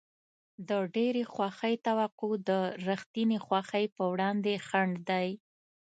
د ډېرې خوښۍ توقع د رښتینې خوښۍ په وړاندې خنډ دی.